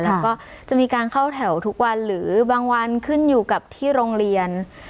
แล้วก็จะมีการเข้าแถวทุกวันหรือบางวันขึ้นอยู่กับที่โรงเรียน